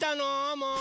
もう！